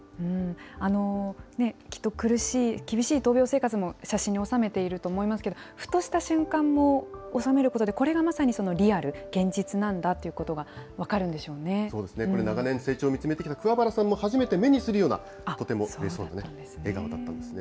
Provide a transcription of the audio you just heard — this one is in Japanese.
きっと苦しい、厳しい闘病生活も写真に収めていると思いますけれども、ふとした瞬間を収めることで、これがまさにリアル、現実なんだとそうですね、これ、長年成長を見つめてきた桑原さんも初めて目にするようなとてもうれしそうな笑顔だったんですね。